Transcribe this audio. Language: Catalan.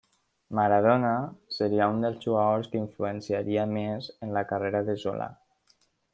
Maradona seria un dels jugadors que influenciaria més en la carrera de Zola.